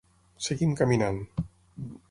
Seguim caminant.